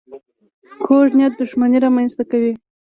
کوږ نیت دښمني رامنځته کوي